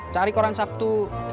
cari koran sabtu